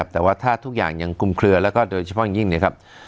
แต่ถ้าทุกอย่างยังกุมเคลือแล้วก็โดยเฉพาะอย่างยิ่ง